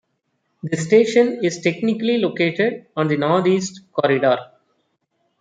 This station is technically located on the Northeast Corridor.